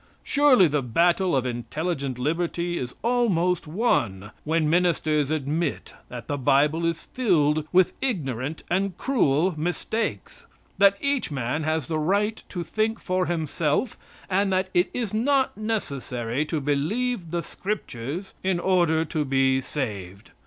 Surely the battle of intellectual liberty is almost won when ministers admit that the Bible is filled with ignorant and cruel mistakes; that each man has the right to think for himself, and that it is not necessary to believe the Scriptures in order to be saved.